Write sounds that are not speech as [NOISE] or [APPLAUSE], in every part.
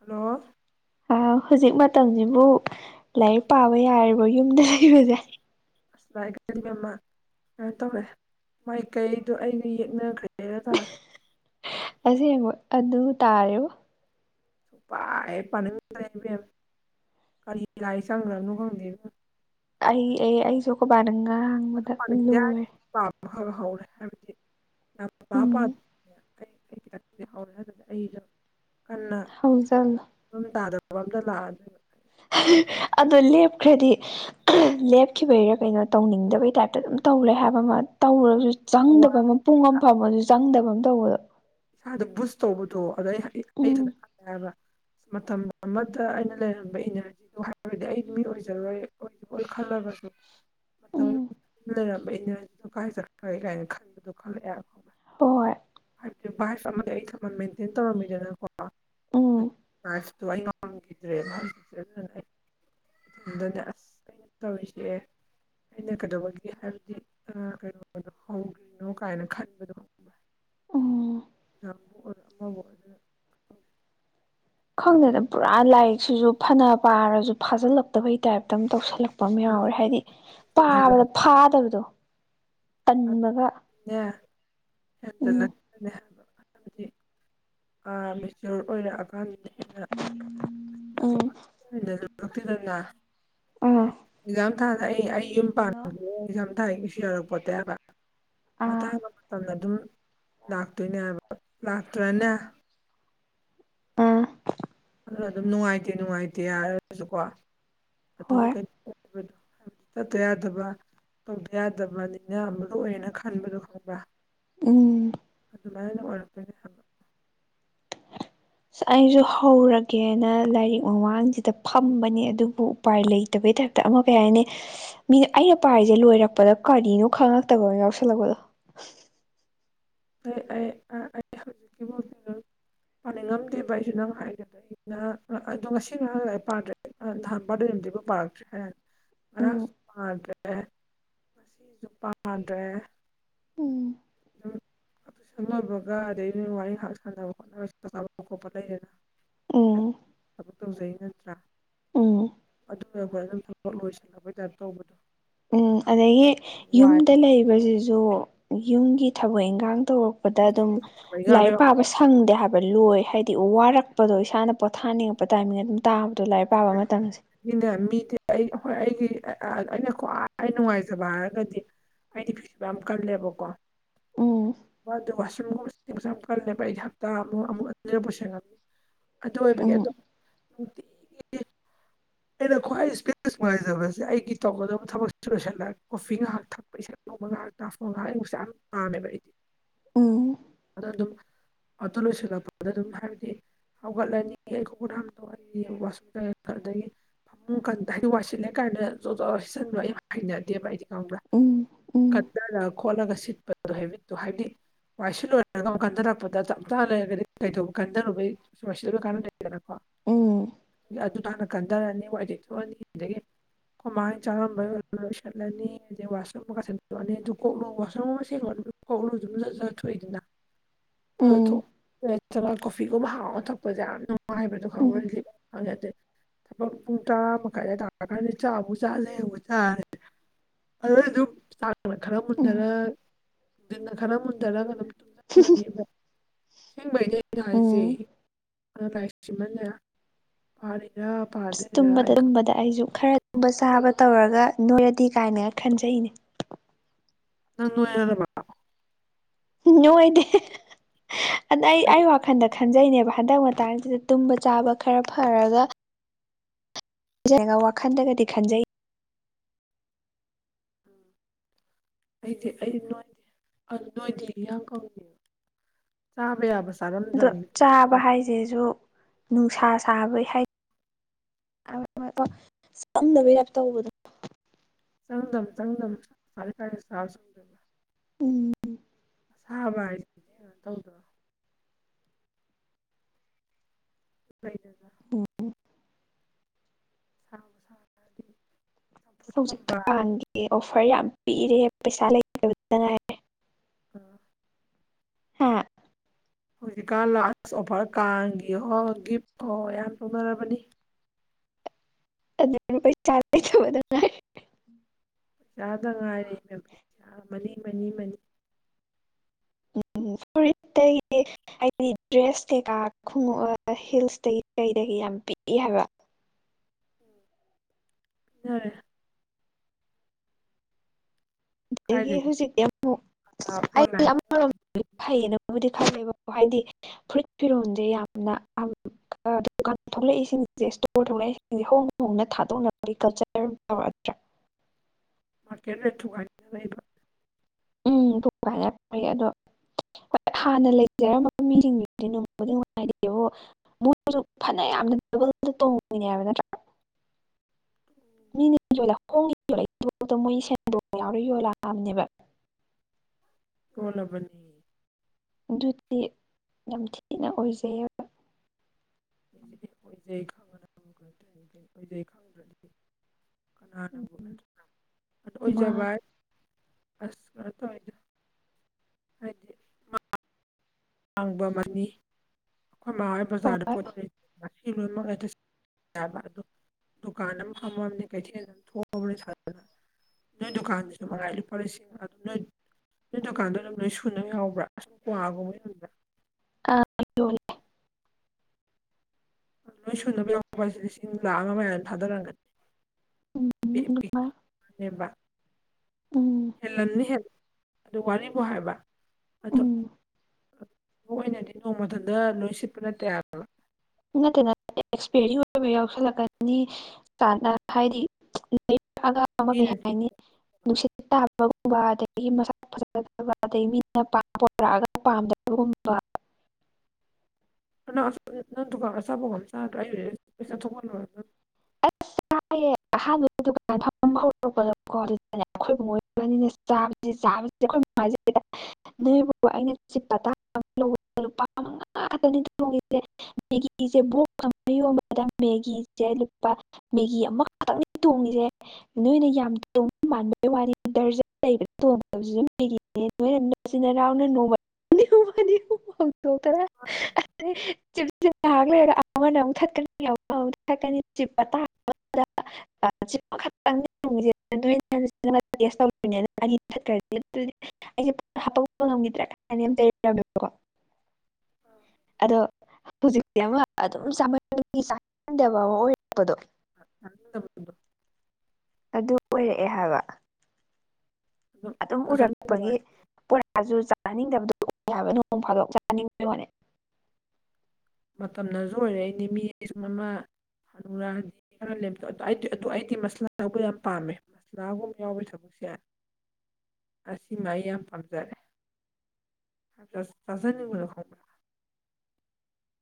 Hello. ꯑ ꯍꯧꯖꯤꯛ ꯃꯇꯝꯁꯤꯕꯨ ꯂꯥꯏꯔꯤꯛ ꯄꯥꯕ ꯌꯥꯔꯤꯕꯣ ꯌꯨꯝꯗ ꯂꯩꯕꯁꯦ꯫ [INAUDIBLE] ꯀꯩꯅꯣ ꯇꯧꯔꯦ ꯃꯥꯏꯀꯩꯗꯣ ꯑꯩꯒ ꯌꯦꯛꯅꯈ꯭ꯔꯦꯒ ꯇꯥꯔꯦ꯫ ꯑꯁꯦꯡꯕ ꯑꯗꯨ ꯇꯥꯔꯦꯕꫭ꯫ ꯄꯥ ꯍꯦꯛ ꯄꯥꯅꯤꯡꯗ꯭ꯔꯦ ꯏꯕꯦꯝ ꯀꯔꯤ ꯂꯥꯏ ꯆꯪꯈ꯭ꯔꯅꯣ ꯈꯪꯗꯦꯕ꯫ ꯑꯩ ꯑꯦ ꯑꯩ ꯁꯨ ꯈꫭꯕꯥꯅ ꯉꯥꯡ [INAUDIBLE] [INAUDIBLE] ꯎꯝ ꯀꯟꯅ ꯍꯧꯖꯜꯂꯣ ꯑꯗꯨꯝ ꯇꯥꯗꯕ ꯑꯃꯇ ꯂꯥꯛꯑ ꯑꯗꯣ ꯂꯦꯞꯈ꯭ꯔꯗꯤ ꯂꯦꯞꯈꯤꯕꯩꯔꯥ ꯀꯩꯅꯣ ꯇꯧꯅꯤꯡꯗꯕꯩ ꯇꯥꯏꯞꯇ ꯑꯗꯨꯝ ꯇꯧꯔꯦ ꯍꯥꯏꯕ ꯑꯃ ꯇꯧꯔꯁꯨ ꯆꯪꯗꯕ ꯋꯥꯒ ꯑꯃ ꯄꯨꯡ ꯑꯃ ꯐꯝꯃꯁꯨ ꯆꯪꯗꯕ ꯑꯃ ꯇꯧꯑꯦꯕ꯫ ꯏꯁꯥꯗ ꯕꯨꯖ ꯇꯧꯕꯗꯣ ꯑꯗꯣ ꯎꯝ ꯑꯩ꯫ [INAUDIBLE] ꯃꯇꯝ ꯑꯃꯗ ꯑꯩꯅ ꯂꯩꯔꯝꯕ ꯏꯅꯔ [INAUDIBLE] ꯎꯝ [INAUDIBLE] ꯍꯣꯏ꯫ [INAUDIBLE] ꯎꯝ [INAUDIBLE] ꯗꯅꯦ ꯑꯁ ꯀꯩꯅꫭ ꯇꯧꯔꯤꯁꯦ ꯑꯩꯅ ꯀꯩꯗꯧꯕꯒꯤ ꯍꯥꯏꯕꯗꯤ ꯑ ꯀꯩꯅꯣꯗꯣ ꯍꯧꯗ꯭ꯔꯤꯅꯣ ꯀꯥꯏꯅ ꯈꯟꯕꯗꯣ ꯈꯪꯕ꯭ꯔꯥ꯫ ꯎꯝ [INAUDIBLE] ꯑꯗꯨꯝ ꯈꯪꯗꯦꯗ ꯄꯨꯔꯥ ꯂꯥꯏꯔꯤꯛꯁꯤꯁꯨ ꯐꯅ ꯄꯥꯔꯁꯨ ꯐꯥꯖꯤꯜꯂꯛꯇꯕꯩ ꯇꯥꯏꯞꯇ ꯑꯃ ꯇꯧꯁꯤꯜꯂꯛ ꯄ ꯑꯃ ꯑꯗꯨꯝ ꯌꯥꯎꯔꯦ ꯍꯥꯏꯗꯤ ꯁꯨꯝ ꯄꯥꯕꯗ ꯍꯦꯟꯖꯜꯂꯛꯄꯅꯦ ꯐꯥꯗꯕꯗꯣ ꯇꯟꯕꯒ ꯎꯝ [INAUDIBLE] ꯑꯥ ꯃꯦꯆ꯭ꯌꯣꯔ ꯑꯣꯏꯔꯛꯑꯀꯥꯟ [INAUDIBLE] [UNINTELLIGIBLE] [INAUDIBLE] ꯑꯥ ꯑꯦꯛꯖꯥꯝ ꯊꯥꯗ ꯑꯩ ꯑꯩ ꯌꯨꯝ ꯍꯜꯂꯣ ꯄꯥꯟꯕ꯫ [INAUDIBLE] ꯥꯏꯒꯤꯁꯤ [UNINTELLIGIBLE] ꯌꯥꯔꯛꯄꯣꯇꯦ ꯍꯥꯏꯕ ꯑꯥ ꯃꯇꯥꯡ ꯃꯇꯝꯅ ꯑꯗꯨꯝ ꯂꯥꯛꯇꯣꯏꯅꯦ ꯍꯥꯏꯕ ꯂꯥꯛꯇ꯭ꯔꯅ ꯎꯝ ꯑꯗꯣ ꯑꯗꯨꯝ ꯅꯨꯡꯉꯥꯏꯇꯦ ꯅꯨꯡꯉꯥꯏꯇꯦ ꯍꯥꯏꯔꯒꯁꯨꯀꯣ ꯑꯗꯨꯝ ꯍꯣꯏ ꯀꯩꯅꯣ __ꯍꯥꯏꯕꯗꯤ ꯆꯠꯇ ꯌꯥꯗꯕ ꯇꯧꯗ ꯌꯥꯗꯕ ꯅꯤꯡꯅꯃꯔꯨ ꯑꯣꯏꯔꯦꯅ ꯈꯟꯕꯗꯣ ꯈꯪꯕꯔꯥ ꯎꯝ ꯑꯗꯨꯃꯥꯏꯅ ꯑꯣꯏꯔꯛꯇꫭꯏꯅꯦ ꯍꯪ ꯑꯩꯁꯨ ꯍꯧꯔꯒꯦꯅ ꯂꯥꯏꯔꯤꯛ ꯃꯃꯥꯡꯁꯤꯗ ꯐꯝꯕꯅꯦ ꯑꯗꯨꯕꯨ ꯎꯄꯥꯏ ꯂꯩꯇꯕꯩ ꯇꯥꯏꯞꯇ ꯑꯃ ꯀꯩ ꯍꯥꯏꯅꯤꯅꯤ ꯃꯤꯅ ꯑꯩꯅ ꯄꯥꯏꯔꯤꯁꯦ ꯂꯣꯏꯔꯛꯄꯗ ꯀꯔꯤꯅꯣ ꯈꯪꯉꯛꯇꯕꯃꯥ ꯌꯥꯎꯁꯜꯂꯛꯄꯗꯣ ꯑꯩ ꯑꯩ ꯑꯩ ꯍꯧꯖꯤꯛꯀꯤꯕꯨꯥꯎ [UNINTELLIGIBLE] ꯄꯥꯅꯤꯡꯉꯝꯗꯦꯕ ꯑꯩꯁꯨ ꯅꯪ ꯍꯥꯏꯒꯗ꯭ꯔꯒꯦ ꯑꯗꯣ ꯉꯁꯤ ꯉꯔꯥꯡ ꯂꯥꯏꯔꯤꯛ ꯄꯥꯗ꯭ꯔꯦ ꯅꯍꯥꯟ ꯕꯔꯗ‌ꯦ ꯅꯨꯃꯤꯠꯇꯩ ꯐꯥꯎ ꯄꯥꯔꯛꯇ꯭ꯔꯤ ꯎꯝ ꯃꯔꯥꯡꯁꯨ ꯄꯥꯟꯗ꯭ꯔꯦ ꯃꯁꯤꯁꯨ ꯃꯥꯟꯗ꯭ꯔꯦ ꯎꯝ ꯎꯝ ꯁ ꯂꯕꯒ [UNINTELLIGIBLE] ꯑꯗꯩ ꯋꯥꯔꯤ ꯉ ꯁꯥꯟꯅꯕ ꯈꯣꯠꯅꯕꯁꯤ ꯇꯥꯄ ꯈꯣꯠꯄ ꯂꯩꯗꯦꯅ ꯎꯝ ꯊꯕꯛ ꯇꯧꯖꯩ ꯅꯠꯇ꯭ꯔꯥ ꯎꯝ ꯑꯗꯨꯅ ꯑꯩꯈꯣꯏ ꯑꯗꯨꯝ ꯊꯕꯛ ꯂꯣꯏꯁꯤꯜꯂꯛꯄꯩ ꯇꯥꯏꯞ ꯇꯧꯕꯗꯣ ꯎꯝ ꯑꯗꯒꯤ ꯋꯥꯏ ꯌꯨꯝꯗ ꯂꯩꯕꯁꯤꯁꯨ ꯌꯨꯝꯒꯤ ꯊꯕꯛ ꯏꯟꯈꯥꯡ ꯇꯧꯔꯛꯄ ꯄꯗ ꯑꯗꯨꯝ ꯂꯥꯏꯔꯤꯛ ꯄꯥꯕ ꯁꯪꯗꯦ ꯍꯥꯏꯕ ꯂꯣꯏ ꯍꯥꯏꯗꯤ ꯋꯥꯔꯛꯄꯗꯣ ꯏꯁꯥꯅ ꯄꯣꯊꯥꯅꯤꯡꯉꯛ ꯄ ꯇꯥꯏꯃꯤꯡ ꯑꯗꯨꯝ ꯇꯥꯕꯗꯣ ꯂꯥꯏꯔꯤꯛ ꯄꯥꯕ ꯃꯇꯝꯁꯦ ꯅꯦ ꯃꯤꯗꯤ ꯑꯩ ꯍꯣꯏ ꯑꯩꯒꯤ ꯑꯩꯅ ꯈ꯭ꯋꯥꯏ ꯅꯨꯡꯉꯥꯏꯖꯕ ꯍꯥꯏꯔꯒꯗꯤ ꯑꯩꯗꯤ ꯐꯤꯁꯨꯕ ꯌꯥꯝ ꯀꯜꯂꯦꯕꯀꯣ ꯎꯝ ꯋꯥ ꯑꯗꯨ ꯋꯥꯁ ꯀꯜꯂꯦꯕ ꯑꯩꯗꯤ ꯍꯞꯇꯥ [UNINTELLIGIBLE] ꯑꯃꯨꯛ ꯑꯅꯤꯔꯛꯄꯨ ꯁ‌ꯦꯡꯉꯝꯅꯤ ꯑꯗꯨ ꯑꯣꯏꯕꯒꯤ ꯑꯗꯣ ꯎꯝ ꯅꯨꯡꯇꯤ ꯑꯩꯅ ꯈ꯭ꯋꯥꯏ ꯏꯁꯄꯦꯁ ꯅꯨꯡꯉꯥꯏꯖꯕꯁꯦ ꯑꯩꯒꯤ ꯇꯧꯒꯗꯕ ꯊꯕꯛ ꯂꯣꯏꯁꯤꯜꯂꯥ ꯀꯣꯐꯤ ꯉꯥꯏꯍꯥꯛ ꯊꯛꯄ ꯂꯕꯒ ꯇꯥꯐꯒ [UNINTELLIGIBLE] ꯉꯩꯛꯦ ꯌꯥꯝ ꯄꯥꯝꯃꯦꯕ ꯑꯩꯗꯤ ꯎꯝ ꯑꯗꫭ ꯑꯗꯨꯝ ꯑꯗꯨ ꯂꯣꯏꯁꯤꯜꯂꯛꯄꯗ ꯑꯗꯨꯝ ꯍꯥꯏꯕꯗꯤ ꯍꯧꯒꯠꯂꯅꯤ ꯑꯩ ꯈꫭꯡ ꯈꯨꯠ ꯍꯥꯝꯗꯣꯛꯑꯅꯤ ꯋꯥꯁꯔꯨꯝ ꯆꯪꯉꯅꯤ ꯑꯩꯗꯒꯤ ꯀ [UNINTELLIGIBLE] ꯍꯥꯏꯗꯤ ꯋꯥꯏꯁꯤꯜꯂꯦ ꯀꯥꯏꯅꯆꯟꯕꯣ ꯌꯥꯝ ꯍꯩꯅꯗꯦꯕ ꯍꯥꯏꯗꯤ ꯈꯪꯕ꯭ꯔꯥ ꯎꯝ ꯎꯝ ꯀꯠꯊꯔ ꯈꯣꯠꯂꯒ ꯁꯤꯠꯄꯗꯨ ꯍ‌ꯦꯕꯤꯠꯇꯣ ꯍꯥꯏꯕꯗꯤ ꯋꯥꯏꯁꯂꯣ ꯒ ꯀꯟꯊꯔꯛꯄꯗ ꯆꯞ ꯆꯥ ꯂꯩꯔꯒꯗꯤ ꯀꯩꯗꯧꯕ ꯀꯟꯊꯔꯛꯄꯩ ꯋꯥꯏꯁꯤꯗꯩ [UNINTELLIGIBLE] ꯀꯥꯏꯅ ꯂꯩꯗꯅꯀꯣ ꯎꯝ ꯑꯗꯨꯗꫭ ꯍꯥꯟꯅ ꯀꯟꯊꯔꯅꯤ ꯋꯥꯏ ꯇꯩꯊꫭꯛꯑꯅꯤ ꯑꯗꯒꯤ ꯑꯈꫭꯏꯃꯥꯅ ꯆꯥꯔꯝꯕ ꯂꯣꯏ ꯁꯠꯂꯅꯤ ꯑꯗꯩ ꯋꯥꯁꯔꯨꯝ ꯑꯃꯒ ꯁꯟꯗꯣꯛꯑꯅꯤ ꯑꯗꯨꯗꯨ ꯀꯣꯛꯂꯨ ꯋꯥꯁꯔꯨꯝ ꯑꯃ ꯁꯦꯝꯦꯡꯒꯠꯂꯨ ꯀꯣꯂꯨ ꯁꯝ ꯆꯠ [UNINTELLIGIBLE] ꯆꯠꯊꯣꯛꯏꯗꯅ ꯊꯣꯛ ꯎꯝ [UNINTELLIGIBLE] ꯅꯠꯇ꯭ꯔꯒ ꯀꯣꯐꯤꯒꯨꯝꯕ ꯍꯥꯎꯅ ꯊꯛꯄꯁꯦ ꯌꯥꯝ ꯅꯨꯡꯉꯥꯏꯕꯗꯣ ꯈꯪꯕꯔꯥ ꯎꯝ ꯂꯤꯞ ꯍꯪꯉꯦꯠꯇꯦ [UNINTELLIGIBLE] ꯊꯕꯛ ꯄꯨꯡ ꯇꯔꯥ ꯃꯈꯥꯏꯗ ꯇꯥꯛꯀꯥꯟꯗ ꯆꯥꯛꯨꯛ ꯆꯥ [UNINTELLIGIBLE] ꯂꯩ ꯑꯃꯨꯛ ꯆꯥꯔꯦ ꯑꯣꯏꯁꯨ [UNINTELLIGIBLE] ꯈꯔ ꯎꯝ ꯃꯨꯟꯊꯔꯅꯨꯡꯗꯤꯟꯅ [UNINTELLIGIBLE] ꯈꯔ ꯃꯨꯟꯊꯔꯒ ꯑꯗꯨꯝ ꯇꯨꯡꯁꯤꯍꯜꯂꯅꯤꯕ ꯁꯦꯡꯕꯩꯗꯤ ꯑꯩꯅ ꯍꯥꯏꯁꯦ ꯎꯝ ꯑꯥꯏꯁꯤꯃꯅꯦ [UNINTELLIGIBLE] ꯄꯔꯤꯔꯥ ꯑꯁ ꯄꯗꯤꯔꯥ ꯑꯩ ꯇꯨꯝꯕꯗ ꯈꯪ ꯇꯨꯝꯕꯗ ꯑꯩꯁꯨ ꯈꯔ ꯇꯨꯝꯕ ꯆꯥꯕ ꯇꯧꯔꯒ ꯅꯣꯏꯔꯗꯤ ꯀꯥꯏꯅꯒ ꯈꯟꯖꯩꯅꯦ ꯅ [UNINTELLIGIBLE] ꯅꯣꯏꯗꯦ ꯑꯗ ꯑꯩ ꯑꯩ ꯋꯥꯈꯟꯗ ꯈꯟꯖꯩꯅꯦꯕ ꯍꯟꯗꯛ ꯃꯇꯥꯡꯁꯤꯗ ꯇꯨꯝꯕ ꯆꯥꯕ ꯈꯔ ꯐꯔꯒ ꯐꯖꯒ [UNINTELLIGIBLE] ꯋꯥꯈꯟꯗꯒꯗꯤ ꯈꯟꯖꯩ ꯑꯩꯗꯤ ꯑꯩ ꯅꯣꯏꯗꯤ [UNINTELLIGIBLE] ꯅꯣꯏꯗꯤ ꯌꯥꯝ ꯐꯪꯉꯕ ꯆꯥꯕ ꯌꯥꯕꯁꯦ ꯑꯗꯣ ꯆꯥꯕ ꯍꯥꯏꯁꯤꯁꯨ ꯅꯨꯡꯁꯥ ꯁꯥꯕꯩ ꯍꯥꯏ ꯑꯣꯏꯝꯗꯅꯕ ꯌꯥꯦꯞ ꯇꯧꯕꯗꯣ [INAUDIBLE] ꯁꯪꯗꯝ ꯆꯪꯗꯝ ꯁꯔ ꯀꯥꯔ ꯁꯥ ꯁꯗꯝ [INAUDIBLE] ꯎꯝ ꯁꯥꯕ ꯍꯥꯏꯁꯤꯗꯤ ꯀꯩꯅꯣ ꯇꯧꯗꯔꯣ ꯐ ꯇꯥ [INAUDIBLE] ꯑꯣ ꯁꯥꯕ ꯁꯥꯔꯗꯤ ꯑꯁ ꯆꯝꯐꯨꯠꯀꯨꯝꯕ ꯍꯧꯖꯤꯛꯀꯀꯥꯟꯒꯤ ꯑꯣꯐꯔ ꯌꯥꯝ ꯄꯤꯔꯦ ꯄꯩꯁꯥ ꯂꯩꯇꯗꯕꯇ ꯉꯥꯏꯔꯦ ꯑꯥ ꯍꯥ ꯍꯧꯖꯤꯛꯀꯥꯟ ꯂꯣ ꯑꯣꯐꯔ ꯀꯥꯡꯒꯤ ꯑꯣ ꯒꯤꯐ ꯑꯣ ꯌꯥꯝ ꯇꯧꯅꯔꯕꯅꯤ ꯑꯗꯨꯅ ꯄꯩꯁꯥ ꯂꯩꯇꯕꯗ ꯉꯥꯏꯔꯦ ꯄꯩꯁꯥꯗ ꯉꯥꯏꯔꯦ ꯃꯅꯤ ꯃꯅꯤ ꯃꯅꯤ ꯎꯝꯦ [INAUDIBLE] ꯍꯥꯏꯗꯤ ꯗ꯭ꯔꯦꯁ ꯀꯩꯀꯥ ꯈꯣꯡꯎꯨꯞ ꯍꯤꯜꯁꯇꯒꯤ ꯀꯩꯗꯒꯤ ꯌꯥꯝ ꯄꯤꯛꯏ ꯍꯥꯏꯕ ꯎꯔꯦ [INAUDIBLE] ꯑꯗꯒꯤ ꯀꯥꯏꯗꯒꯤ ꯍꯧꯖꯤꯛꯇꯤ ꯑꯃꯨꯛ ꯑ ꯑꯩ ꯑꯣꯟꯂꯥꯏꯟꯗ ꯑꯃꯔꯣꯝ ꯐꯩꯌꯦꯅꯕꯨꯗꯤ ꯈꯜꯂꯦꯕꯀꯣ ꯍꯥꯏꯗꯤ ꯐꯨꯔꯤꯠ ꯐꯤꯔꯣꯜꯁꯦ ꯌꯥꯝꯅ ꯗꯨꯀꯥꯟ ꯊꯣꯛꯂꯛꯏ ꯁꯤꯡꯁꯦ ꯏꯁꯇꯣꯔ ꯊꯣꯛꯂꯛꯏ ꯍꯣꯡ ꯍꯣꯡꯅ ꯊꯥꯗꯣꯛꯅꯕꯒꯤ ꯀꯜꯆꯔ ꯇꯥꯎꯔꯛꯑꯗꯔꯥ ꯃꯥꯔꯀꯦꯠ ꯔꯦꯠ ꯊꯨꯒꯥꯏꯅ ꯂꯩꯕ ꯎꯝ ꯊꯨꯀꯥꯢꯅꯔꯦ ꯑꯗꯣ ꯍꯣꯏ ꯍꯥꯟꯅ ꯂꯩꯖꯔꯝꯝꯕ ꯃꯤꯁꯤꯡꯗꯨꯗꯤ ꯅꯨꯡꯕꯨꯗꯤ ꯅꯨꯡꯉꯥꯏꯇꯦꯕ ꯃꯣꯏꯁꯨ ꯐꯅ ꯌꯥꯝꯅ ꯗꯕꯜ ꯇꯣꯡꯉꯣꯏꯅꯦ ꯍꯥꯏꯕ ꯅꯠꯇ꯭ꯔꯥ ꯃꯤꯅ ꯌꯣꯂꯛꯕ ꯍꯣꯡꯉꯅ ꯌꯣꯟꯂꯛꯢꯁꯦ ꯃꯣꯏ ꯁꯦꯟꯗꯣꯡ ꯌꯥꯎꯔ ꯌꯣꯜꯂꯛꯑꯕꯅꯦꯕ ꯌꯣꯜꯂꯕꯅꯤ ꯑꯗꯨꯗꯤ ꯌꯥꯝ ꯊꯤꯅ ꯑꯣꯏꯖꯩ ꯍꯥꯢꯕ ꯍꯧꯖꯤꯗꯤ ꯑꯣꯏꯖꯩ ꯈꯪꯉꯦꯅ ꯑꯃꯇꯥ ꯑꯣꯏꯖꯩ ꯈꯪꯗ꯭ꯔꯗꯤ ꯀꯅꯥꯅ ꯀ ꯃꯥ ꯑꯣꯏꯖꯚꯏ ꯑꯁ ꯈꯩꯅ ꯇ [INAUDIBLE] ꯍꯥꯢꯗꯤ ꯍꯥꯡꯕ ꯑꯃꯅꯤ [INAUDIBLE] ꯑꯩꯈꯣꯏ ꯃꯥꯍꯣꯏ ꯕꯖꯥꯔꯗ ꯍꯣꯏ ꯄꯣꯠ ꯂꯣꯏꯅꯃꯛ ꯌꯥꯕ ꯑꯗꯨ ꯗꯨꯀꯥꯟ ꯑꯃ ꯐꯝꯃꯕꯅꯦ ꯀꯩꯊꯦꯜꯗ ꯊꯣꯛꯑꯕ꯭ꯔꯅꯦ ꯁꯥꯗꯅ ꯅꯣꯏ ꯗꯨꯀꯥꯟꯗꯨꯁꯨ ꯃꯉꯥꯏ ꯂꯨꯄꯥ ꯂꯤꯁꯤꯡ ꯅꯣꯏ ꯅꯣꯏ ꯗꯨꯀꯥꯟꯗꯣ ꯑꯗꯨꯝ ꯂꯣꯏ ꯁꯨꯅꯕ ꯌꯥꯎꯕ꯭ꯔꯥ ꯁꯨꯝ ꯀ꯭ꯋꯥꯒꯨꯝꯕ ꯌꯣꯟꯕꯔꯥ ꯑꯥ ꯌꯣꯜꯂꯦ ꯂꯣꯏ ꯁꯨꯅꯕ ꯌꯥꯎꯕ ꯍꯥꯏꯁꯦ ꯂꯤꯁꯤꯡ ꯂꯥꯛꯈ ꯑꯃ ꯃꯌꯥ ꯑꯗꯨꯝ ꯊꯥꯗꯔꯝꯒꯅꯤ ꯎꯝ ꯄꯤ ꯑꯗꯨꯃꯥꯏ [INAUDIBLE] ꯎꯝ ꯍꯦꯜꯂꯝꯅꯤꯍꯦ ꯑꯗꯨ ꯋꯥꯔꯤꯕꯨ ꯍꯥꯏꯕ ꯑꯗꯨ ꯎꯝ ꯑꯗꯨ ꯅꯣꯡꯃꯇꯇ ꯂꯣꯏ ꯁꯤꯠꯄ ꯅꯠꯇꯦ ꯍꯥꯏꯕ ꯅꯠꯇꯦ ꯅꯠꯇꯦ ꯑꯦꯛꯁꯄꯤꯌꯔꯤ ꯑꯣꯏꯕ ꯌꯥꯎꯁꯜꯂꯛꯀꯅꯤ ꯍꯥꯏꯗꯤ ꯑ ꯑꯃ ꯀꯩ ꯃꯤꯅ ꯍꯥꯏꯅꯤ ꯅꯨꯡꯁꯤꯠ ꯇꯥꯕꯒꯨꯝꯕ ꯑꯗꯒꯤ ꯃꯁꯥꯛ ꯐ [INAUDIBLE] ꯄꯥꯝꯗꯕꯒꯨꯝꯕ ꯅꯪ ꯑꯁ ꯅꯪ ꯗꯨꯀꯥꯟ ꯑꯆꯥꯄꯣꯒꯝ ꯆꯥꯗ꯭ꯔ ꯑꯩ ꯑꯣꯢꯔꯗꯤ ꯆꯥꯊꯣꯛꯕꯗ ꯂꯣꯢꯔꯅꯤ ꯑꯁ ꯆꯥꯏꯑꯌꯦ ꯑꯍꯥꯟꯕꯒꯤ ꯗꯨꯀꯥꯟ ꯐꯝ ꯍꯧꯔꯛꯄꯗꯀꯣ ꯑꯩꯈꯣꯏ ꯕꯨꯡꯉꯣ ꯢꯕꯥꯅꯤꯅ ꯆꯥꯕꯁꯤ ꯆꯥꯕꯁꯤ ꯑꯩꯈꯣꯏꯁꯤꯗ ꯅꯣꯏ ꯕꯕ ꯑꯩꯅ ꯂꯨꯄꯥꯉꯥ [INAUDIBLE] ꯣꯡꯁꯦ ꯃꯦꯒꯤꯁꯦꯌꯣ ꯃꯦꯒꯤꯁꯦ [INAUDIBLE] ꯃꯦꯒꯤ ꯑꯃꯈꯛꯇꯪꯅꯤ ꯇꯣꯡꯉꯁꯦ ꯅꯣꯏꯅ ꯌꯥꯝ ꯇꯣꯡꯕ ꯃꯥꯟꯕ ꯋꯥꯔꯤ ꯗꯔꯖꯟ ꯂꯩꯕꯣꯡꯗꯕꯁꯨ ꯑꯗꯨ ꯅꯣꯏꯅ ꯅꯨꯡꯁꯤꯅꯔꯥꯎꯅ ꯅꯣꯡꯃ ꯣꯛꯇꯔ ꯆ ꯆ ꯍꯥꯏꯂꯔꯣꯅꯤ ꯊꯅꯤ ꯊꯅꯤ ꯆꯤꯄ ꯇꯥ ꯆꯤꯄ ꯈꯛꯇꯪꯅꯤ ꯇ꯭ꯔ ꯑꯗꯨꯗꯤ ꯑꯩꯁꯦ ꯍꯥꯄꯛꯄ ꯉꯝꯈꯤꯗ꯭ꯔꯥ ꯀ ꯑꯗꯣ ꯍꯧꯖꯤꯛꯇꯤ ꯑꯃ ꯑꯗꯨꯝ ꯆ ꯆꯟꯗꯕ ꯑꯃ ꯑꯣꯏꯔ ꯎꯄꯗꯣ [INAUDIBLE] ꯑꯗꯨ ꯑꯣꯏꯔꯛꯑꯦ ꯍꯥꯏꯕ ꯑꯗꯨꯝ ꯑꯗꯣ ꯆꯥꯅꯤꯡꯗꯕ ꯎꯔꯛꯄꯒꯤ ꯍꯥꯏꯗꯤ ꯄꯣꯔꯥꯁꯨ ꯆꯥꯅꯅꯤꯡꯗꯕꯗꯨ ꯎ ꯍꯥꯏꯕ ꯅꯣꯡ ꯐꯥꯗꯣꯛ ꯆꯥꯅꯤꯡꯕꯣꯅꯦ ꯃꯇꯝꯅꯁꯨ ꯑꯣꯏꯔꯛꯏꯅꯦ ꯃꯤ ꯁ ꯑꯃ ꯍꯂꯨꯔꯥꯗꯤꯇ ꯑꯩꯗꯤ ꯃꯁꯂꯥ ꯇꯧꯕ ꯌꯥꯝ ꯄꯥꯝꯃꯦ ꯄꯥꯁꯂꯥꯒꯨꯝ ꯌꯥꯎꯦ ꯊꯁꯦ ꯑꯁꯤꯃ ꯑꯩ ꯌꯥꯝ ꯄꯥꯝꯖꯔꯦ ꯆꯖꯅꯤꯕꯨ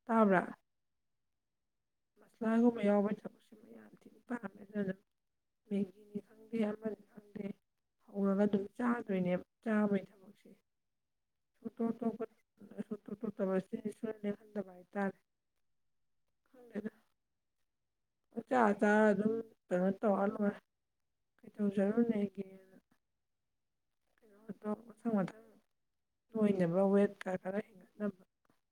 ꯇꯥꯕ꯭ꯔꯥ [INAUDIBLE] [UNINTELLIGIBLE] ꯌꯥꯝ ꯊꯦꯡꯅ ꯄꯥꯝꯃꯦ ꯑꯗꯨ ꯑꯗꯨ [UNINTELLIGIBLE] ꯃꯦꯒꯤꯅꯤ ꯈꯪꯗꯦ ꯑꯃꯅꯤ ꯈꯪꯗꯦ ꯍꯧꯔꯒ ꯑꯗꯨꯝ ꯆꯥꯗꯣꯏꯅꯦꯕ ꯆꯥꯕꯩ ꯊ ꯏꯁ ꯁꯣꯇꯣ ꯇꯄ [INAUDIBLE] [UNINTELLIGIBLE] ꯁꯣꯇꯣ ꯇꯣꯇꯕ ꯑꯁꯤ ꯁꯣꯏ ꯂꯦꯡꯍꯟꯗꯕ ꯍꯥꯏꯇꯥꯔꯦ ꯈꯪꯗꯦꯗ ꯄꯪꯆꯥ ꯆꯥꯔ ꯑꯗꯨꯝ ꯀꯩꯅꯣ ꯇꯧꯔ ꯂꯣꯏꯔꯦ ꯀꯩꯗꯧꯖꯔꯨꯅꯦꯒꯦ ꯑꯗꫭ ꯃꯊꯪ ꯃꯊꯪ ꯅꫭꯏꯕ ꯋꯦꯠ ꯈꯔ‌ ꯈꯔ ꯍꯦꯟꯒꯠꯅꯕ